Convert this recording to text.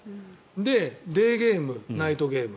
で、デーゲーム、ナイトゲーム。